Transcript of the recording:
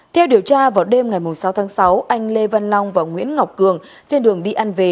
theo điều tra vào đêm ngày sáu tháng sáu anh lê văn long và nguyễn ngọc cường trên đường đi ăn về